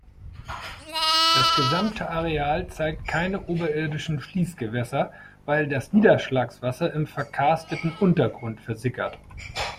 Das gesamte Areal zeigt keine oberirdischen Fließgewässer, weil das Niederschlagswasser im verkarsteten Untergrund versickert.